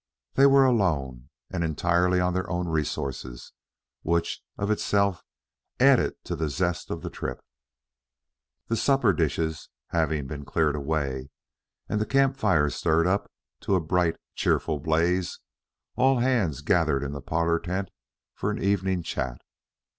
They were alone and entirely on their own resources, which of itself added to the zest of the trip. The supper dishes having been cleared away and the camp fire stirred up to a bright, cheerful blaze, all hands gathered in the parlor tent for an evening chat.